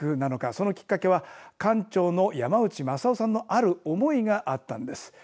そのきっかけは館長の山内將生さんのある思いがあったんです。